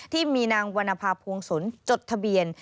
ที่มีนางวรรณภาพวงศลจดทะเบียน